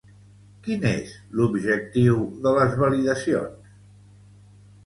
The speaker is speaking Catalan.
Quin és l'objectiu de les validacions?